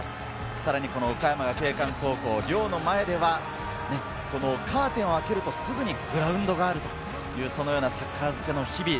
さらに岡山学芸館高校、寮の前ではカーテンを開けるとすぐにグラウンドがあるというサッカー漬けの日々。